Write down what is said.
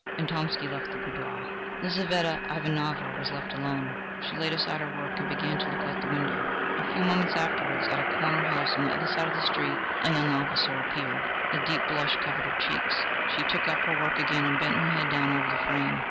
And Tomsky left the boudoir. Lizaveta Ivanovna was left alone: she laid aside her work and began to look out of the window. A few moments afterwards, at a corner house on the other side of the street, a young officer appeared. A deep blush covered her cheeks; she took up her work again and bent her head down over the frame.